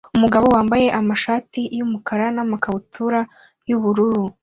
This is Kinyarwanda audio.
umugabo wambaye ishati yumukara namakabutura yubururu